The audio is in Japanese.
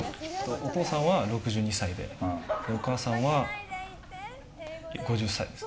お父さんは６２歳でお母さんは５０歳です。